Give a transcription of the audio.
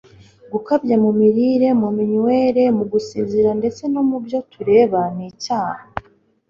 gukabya mu mirire, mu minywere, mu gusinzira, ndetse no mu byo tureba ni icyaha